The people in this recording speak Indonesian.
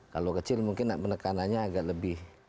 kalau kecil mungkin penekanannya agak lebih